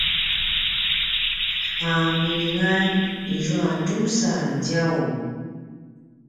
a milingan izua drusa djaum